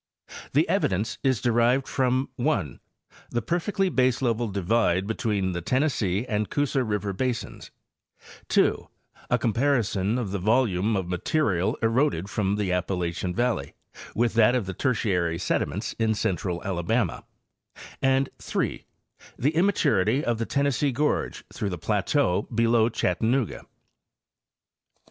The evidence is derived from (1) the perfectly baseleveled divide between the Tennessee and Coosa river basins; (2) a comparison of the volume of ma terial eroded from the Appalachian valley with that of the Tertiary sediments in central Alabama; and (3) the immaturity of the Tennessee gorge through the plateau below Chattanooga.